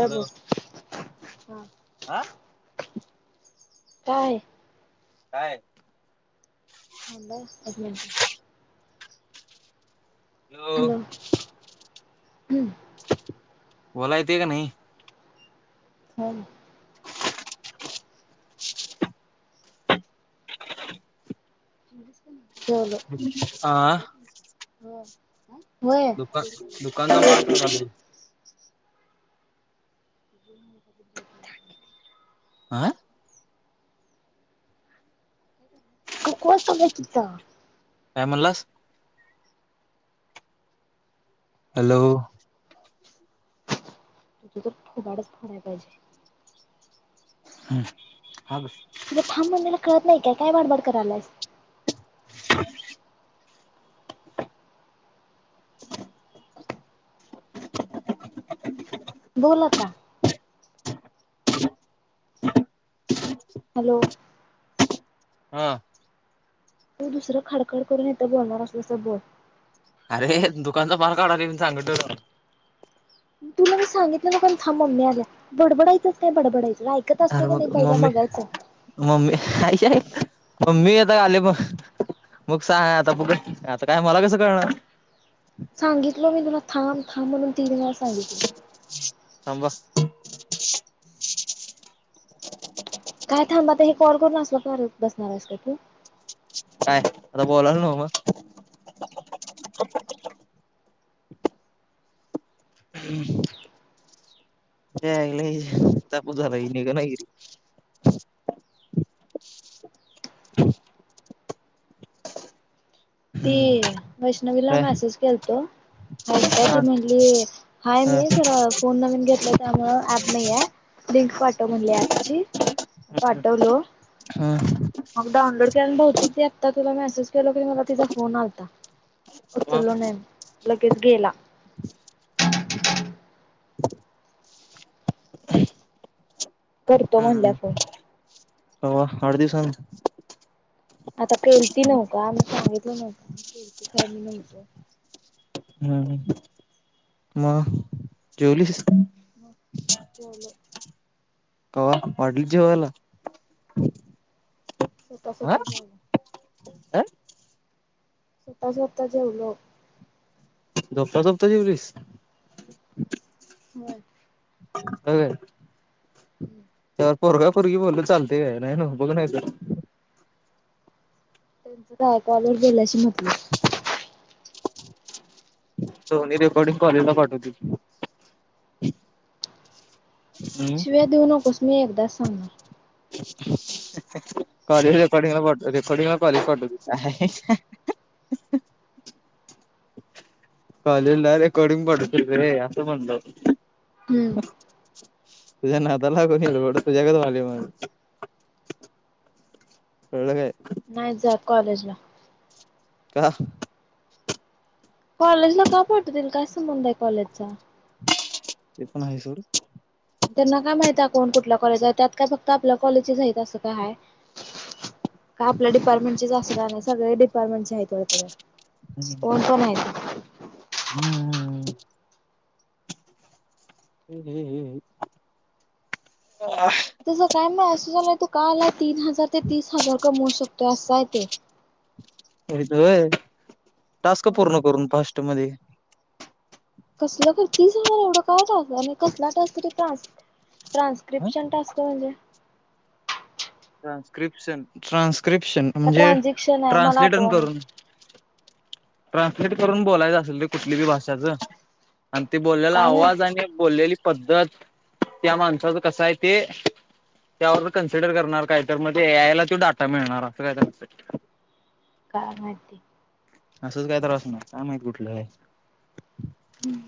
Hello हा काय? काय? थांब एक मिनट हॅलो, हो बोलाय येतय काय न्हई? [unintelligible] जेवलीस [unintelligible] जेवलो, हा भाकरी खाल्लीस काय? होय, आ दुका दुकानदा [unintelligible] [unintelligible] आय [unintelligible] काय म्हणलास? हॅलो. तुझ तर थोबाडच फोडाय पाहिजे. हम् हा [unintelligible] तुला थांब म्हणलेलं कळत नाई काय, काय बाडबाड करायलायस [unintelligible] बोल आता हॅलो. हा. तो दुसरं खडखड करून येेत बोलणार असल्या असं बोल [inaudible] तुला मी सांगितलं मग थाबं मम्मी आल्या बडबडायच नाही बडबडाच अर म मम्मी मम्मी आईय [inaudible] मग सांग आता ब आता काय मला कसं कळणार थांबा [inaudible] काय थांबत हे कॉल करून असव बसणार असत तू काय आता बोलाल नव्ह मग हम्म. [inaudible] [unintelligible] ती वैष्णवीला काय मेसेज केलतो हायस काय ती हा म्हटली हाय हा मी जरा फोन नवीन घेतला त्यामुळ ऍप नाही आहे लिंक पाठव म्हणली ऍपची पाठवलो हा मगं डाउनलोड केल्या बहुतेक ती आता तुला मेसेज केल की मला तिचा फोन आता उचललो मग नाही लगेच गेला करतो म्हणल्या फोन अ आठ दिवसान आता केलती नव्हका आम्ही सांगितलं नव्हत केलती खर मी नव्हतो हम्म मगं, जेवलीस? हो जेवलो [inaudible] [unintelligible] काय? स्वतः जेवता जेवलो दपता तप्ता जवलीस होय होय हम्म त्यावर पोरगा पोरगी बोलल चालते का नाही ना बघूच [unintelligible] सोनी रेकॉर्डिंग कॉलेजला पाठवत्या की शिव्या देऊ नकोस मी एकदा सांगणार [inaudible] [unintelligible] कॉलेजला रेकॉर्डिंग पाठवतो रे असं म्हणलो. हम्म. तुझ्या नादाला लागून तुझ्या गत व्हायला माझं. कळलं कायं. नाही जात कॉलेजला. का? कॉलेजला का पाठवतील काय संबंध आहे कॉलेजचा. तेे पण आहे सोड. त्यांना काय माहित आहे कोण कुठल्या कॉलेज आहे त्यात काय फक्त आपल्या कॉलेजच आहेत असं काय आहे. काय आपल्या डिपार्टमेंटच असं नाही सगळे डिपार्टमेंटचे आहेत बघ त्याज्यात. [unintelligible] [unintelligible] तुझ काय मेसेज आलंय तु का आलायं. तीन हजार ते तीस हजार कमवू शकतोय असायं ते. होय टास्क हा पूर्ण करून फास्ट मध्ये. कसलं खर तीस हजार एवढं काय टास्क आणि कसला टास्क ते टास्क. ट्रान्स्क्रिप्शन टास्क म्हणजे? ट्रान्स्क्रिप्शन, ट्रान्स्क्रिप्शन का म्हणजे ट्रान्झॅक्शन आहे मला ट्रान्सलेटन आठवना. करून. ट्रान्सलेट करून बोलायचं असेल ते कुठली बी भाषाचं. आणि ती बोललेला काय माहित आवाज आणि बोललेली. पद्धत त्या माणसाचं कसं आहे, ते त्यावर कन्सिडर करणारं. काहीतर मध्ये ए आय ला तो डाटा मिळणार असं काहीत- काय माहिती. असंच काय तरी असणार काय माहित कुठलं आहे. हम्म.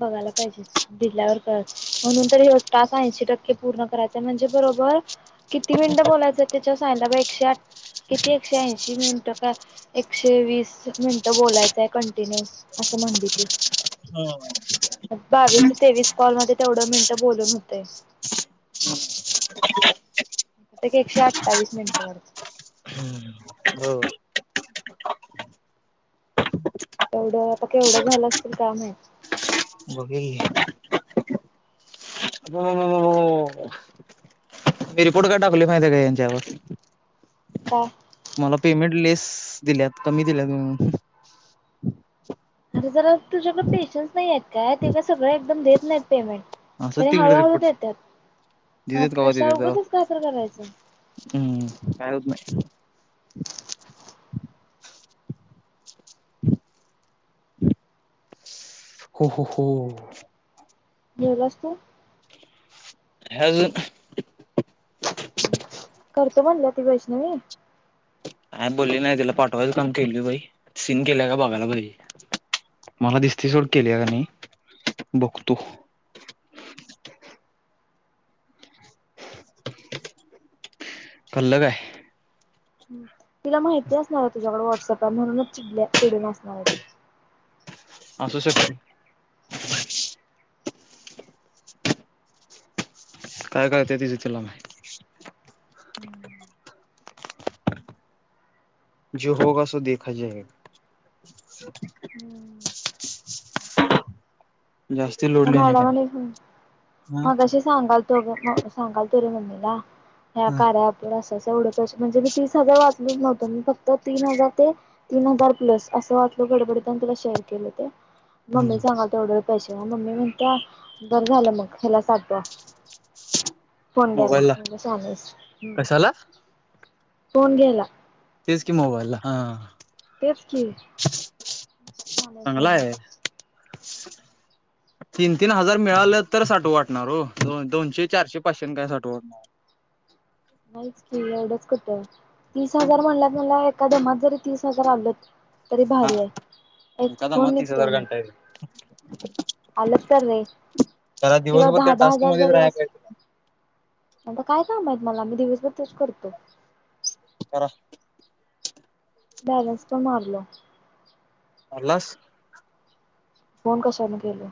बघायला पाहिजे दिल्यावर म्हणून तर हे टास्क ऐंशी टक्के पूर्ण करायचा म्हणजे. बरोबर किती मिनिटं बोलायचं त्याच्यावर सांगितल बघ एकशे आठ किती एकशे ऐंशी मिनिटं. का एकशे वीस मिनटं बोलायचं आहे, कंटिन्यू असं म्हणली ती. बावीस ते तेवीस कॉलमध्येध्ये तेवढं मिनटं, बोलून होते. [unintelligible] [inaudible] एकशे अठ्ठावीस मिनिटं वाटत. हो केवढं आता केवढं झालं, असतील कायं माहीत. बघूया की. म मी रिपोर्ट का टाकलो आहे, माहिती काय यांच्यावर. का? मला पेमेंट लेस दिल्यात कमी दिल्यात म्हणून. अरे जरा तुझ्याकडें पेशन्स नाही आहे. काय ते का सगळं एकदम देत नाहीत पेमेंट त्यां हळूहळू देतात. देऊ हा देत कवा कशा देतात तवा. उगचच काय तर करायचं [unintelligible] हो हो हो. जेवलास तू? नायं अजून. करतो म्हणल्या ती वैष्णवी कायं बोलली नाही तिला पाठवायला काम केलं बाई सीन केल्याय का बघायला पाहिजे. मला दिसती सोड केली आहे का बघतो. [unintelligible] कलं काय. तिला माहिती असणार आहे, तुझ्याकडन व्हॉट्सअप म्हणूनच चिडल्या चिडून असणारं आहे ती. असू शकते य, काय कळतंय तीच तिलाच माहिती, ती जो होगा तो देखा जायेगा, [unintelligible] जास्ती [unintelligible] लोड लेणे का नाही मगाशी सांगालतो ग, सांगलतो रे मम्मी ला या हा कार्य अँप वर असं, तेवढं पैसे म्हणजे मी तीस हजार वाचलोच नव्हतो फक्त तीन हजार ते तीन हजार पल्स, न गडबडता, आणि तुला शेअर केलं ते? हा मम्मी ला सांगलतो एवढे एवढे पैसे म मम्मी म्हणते मग ह्याला टाकूया, [unintelligible] मोबाईलला म्हणलं शनी, कशाला फोन घ्यायला. तेच की मोबाईलला? हा... आ तेच की. चांगला आहे [unintelligible] [unintelligible] तीन- तीन हजार मिळालं, तर साठवू वाटणार हो. दोनशे, चारशे पाचशे काय साठवू वाटणार. [inaudible] एवढेच कुठे तीस हजार म्हणलं म्हणल्यावर एका दमात जरी तीस हजार आलंत तरी हा भारी आहे. एक एका दमात फोन तीस निघतोय हजार म. घंटा येईल आलं का रे त्याला किंवा दिवसभर त्या दहा टास्क हजार मध्येच जरी काय राहाय पाहिजे तुला. काम आहेत, मला? मी दिवसभर तेच करतो. करा. बॅलेन्स पण मारलं. मारलास? फोन कशाने केले.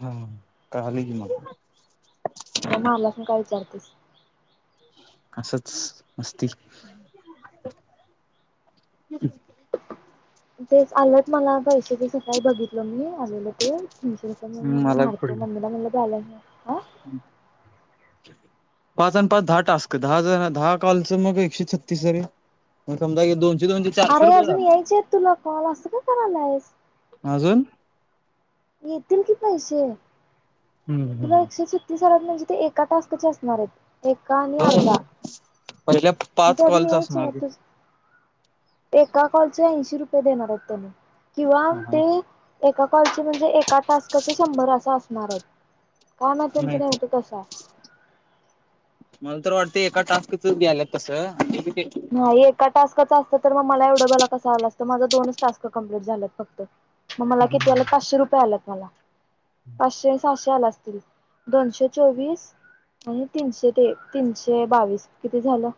हम्म, कळालं की मग. म मारलास म्हणून काय विचारतेस? असंच मस्ती. [inaudible] [inaudible] तेच. आलंत मला पैशे. ते सकाळी बघितलो मी आलेलं ते. [unintelligible] पण म्हणलं मारतो मम्मीला म्हणलं बॅलन्स हा हम्म. पाच अन पाच दहा टास्क दहा जन दहा कॉलच मग एकशे छत्तीस हे. समजा दोनशे- दोनशे हे चारशे अरे रुपये अजून झाले. यायचे आहेत तुला कॉल असं का करायलायस अजून? येतील कि पैशे. तुला एकशे छत्तीस आलात म्हणजे ते एका टास्कंचे असणार आहेत. एका आणि अर्धा पहिल्या मग पाच ती अजून कॉलच असणार यायचे ते तू एका कॉल च ऐंशी रुपये देणार आहे त्यांनी किंवा ते एका कॉलच म्हणजे एकाच टास्काचे शंभर असं असणार आहेत. काय माहित नेमकं माहिती त्यांचं कसा आहे. मला तर वाटते एकाच टास्कच द्यायला तसं नाही मग एका टास्कचं असतं तर मला कसं एवढंबाला आलं असतं. माझं दोनच टास्क कंप्लीट झालेत फक्त. मग मला किती आलं? पाचशे रुपये आलेत मला. पाचशे सहाशे झाल असतील, दोनशे चोवीस आणि तीनशे ते- तीनशे बावीस. किती झालं?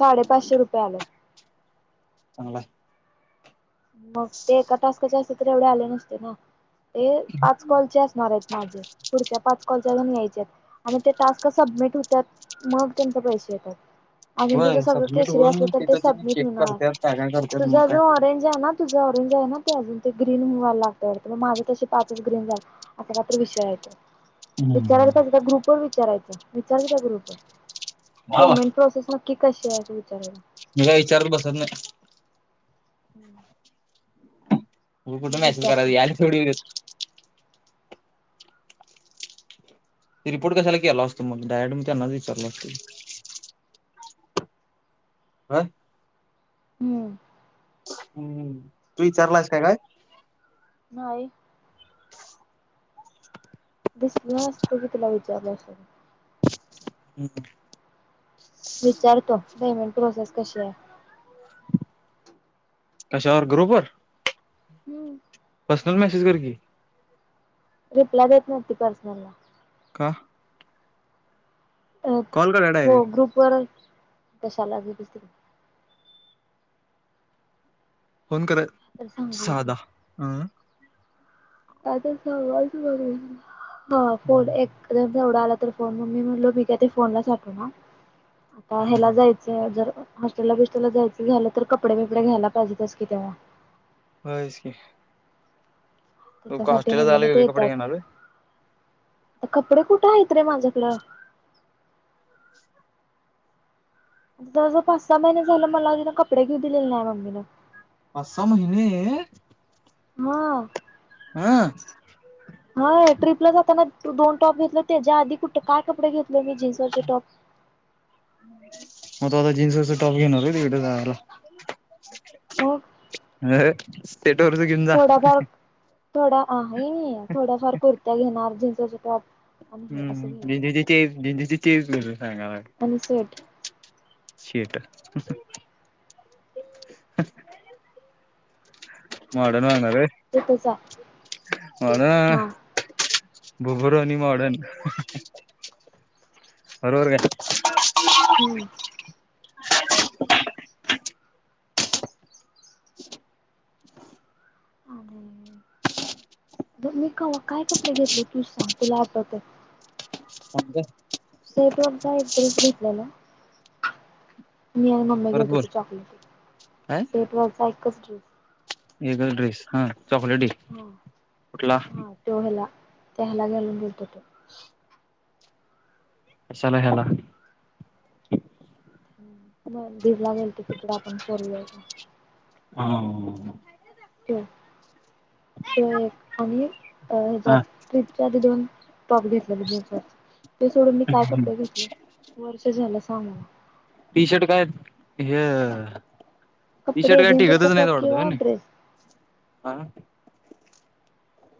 साडे पाचशे रुपये आलेत. चांगलंय. मग ते एका टास्कंचे असते, तर एवढे आले नसते ना. हे पाच कॉलचे असणार आहेत. माझे पुढच्या पाच कॉलचे अजून यायच्यात आणि ते टास्क सबमिट हुत्यात मग तेचं पैशे येत्यात. अजून तुज होय सगळं सबमिट केशरी होऊन असलं तर ते तिथं तिने सबमिट चेक हुणार, करत्यात काय काय करत्यात तुज मग आजुन काय ऑरेंज हाय ना तुज ऑरेंज हाय ना ते ग्रीन व्हायला लागतय माज तशे पाचच ग्रीन झाल असं काय तर विषय आहे तो. विचारायला पाहिजे त्या ग्रुपवर विचारायच विचार की त्या ग्रुपवर. हा वा पेमेंट प्रोसेस नक्की कशीय अस विचारायच. मी काय विचार बसत नाही. हम्म. मग कुठं मॅसेजकरायच याल्यात तेवड येउदेत. रिपोर्ट कशाला केलो असतो म डायरड म तेनाच विचारलो असतो की. हा हम्म. हम्म तू विचारलायस काय काय. नाही. दिसलं मस्त की तुला विचारलं असलं. हम्म विचारतो पेमेंट प्रोसेस कशी हाय. कशावर ग्रुपवर. हम्म पर्सनल मेसेज कर की. रिप्लाय देत नाइत ते पर्सनल ला. का? कॉल करा अप डायरेक्ट ग्रुप वर कशाला [unintelligible] फोन कराय तर सांगालतो सादा अं [unintelligible] हा फोन एकदम एवढा आला तर तर फोन मु म्हणल त्या फोन ला [unintelligible] ना आता हेला जायचं जर हॉस्टेलला बिस्टेलला जायचं झालं तर कपडे बिपडे घ्यायला पाहिजेतच की तेवा. होयच की. तू का तेच्यासाठी हॉस्टेलला म्हणलं जायला मग ते वेगळे कपडे येत्यात. घेणार होय? आ कपडे कुट हाइत रे माझ्याकडं. [inaudible] जवळ जवळ पाच सहा महिने झालं मला एकदा कपडे घेऊ दिलेल नाय मम्मीन पाच सहा महिने. मग ह्ं हय ट्रीपला जाताना दोन टॉप घेतलय तेज्या आदी कुट काय कपडे घेत म मी जीन्सवरचे टॉप जिन्स वरचे टाॅप घेणार वय तिकड घालायला. मग थोडाफार थोडा आहीय थोड्याफार कुर्त्या घेणार जिन्सवरचं टॉप. आणि हे असं हम्म घ्यायचं [unintelligible] चे [unintelligible] चेस घेउन जाणार. आणि स्वेट शेट मॉडन वागणार वय तेथच आहे मॉडन वागनार हा भुबरोनी मॉडन बरोबर काय. हम्म [inaudible] आणि बर मी कवा काय कपडे घेतलय तूच सांग तुला आठवतय. सांगु सेट वरचा एक ड्रेस घेतलेला. मी आणि मम्मी परत गेलतो बोल त्यो चॉकलेटी काय सेटवरचा एकच ड्रेस. एकच ड्रेस हा चॉकलेटी हा कुठला? त्याला गेलून बध तो. चले हला. मग दिला गेल ते तिकडे आपण सरूया. हां त तो एक आणि हा ट्रीपच्या आधी दोन टॉप घेतले होते जीन्स वर. ते सोडून मी काय कपडे घेतले वर्ष झालं सांग. टी शर्ट काय हे. टी शर्ट कपडे काही जीन्सवरचा टिकतच नाही टॉप वाटत किंवा ना ड्रेस हा.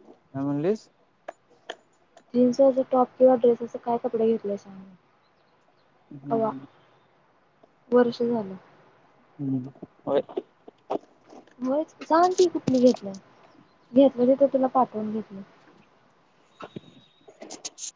काय म्हणलीस? जीन्स अस टॉप किंवा ड्रेस अस काय कपडे घेतलेय सांगून. हम्म वर्ष झालं. [unintelligible] होय सांग की कुठली घेतलंय. घेतलं तिथं तुला पाठवून घेतले. [unintelligible]